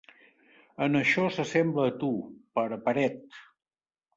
En això s'assembla a tu, pare paret.